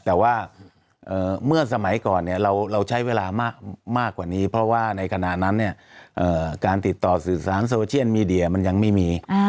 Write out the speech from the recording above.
แต่ว่าเมื่อสมัยก่อนเราใช้เวลามากกว่านี้เพราะว่าในขณะนั้นการติดต่อสื่อสารโซเชียลมีเดียมันยังไม่มี